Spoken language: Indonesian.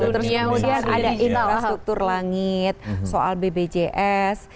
terus kemudian ada infrastruktur langit soal bpjs